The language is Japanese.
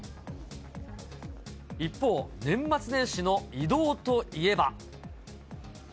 一方、年末年始の移動といえば。